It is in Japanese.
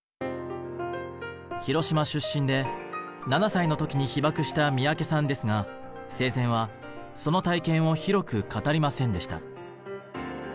広島出身で７歳の時に被爆した三宅さんですが生前はその体験を広く語りませんでした。